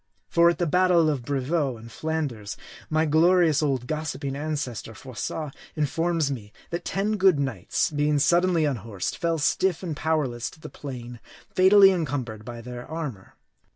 For at the battle of Brevieux in Flanders, my glorious old gossiping ancestor, Froissart, informs me, that ten good knights, being suddenly unhorsed, fell stiff and powerless to the plain, fatally encumbered by their armor.